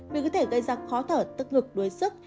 mình có thể gây ra khó thở tức ngực đuối sức